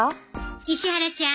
石原ちゃん。